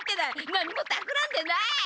何もたくらんでない！